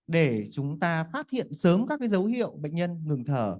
để chúng ta phát hiện sớm các dấu hiệu bệnh nhân ngừng thở